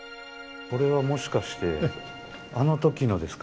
これはもしかしてあの時のですか？